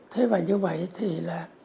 thế và như vậy thì là